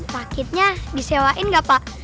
rakitnya disewain nggak pak